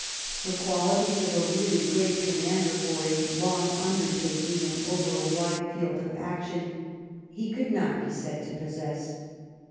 The qualities of a really great com mander for a long undertaking and over a wide field of '• 129 THE REIGN OP QUEEN ANNE action he could not be said to possess.